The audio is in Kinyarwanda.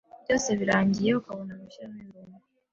byose birangiye ukabona gushyiramo ibirungo